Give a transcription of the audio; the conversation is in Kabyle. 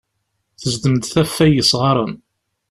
Tezdem-d taffa n yesɣaren.